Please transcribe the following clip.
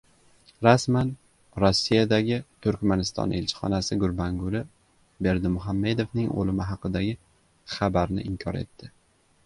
Rasman. Rossiyadagi Turkmaniston elchixonasi Gurbanguli Berdimuhamedovning o‘limi haqidagi xabarni inkor etdi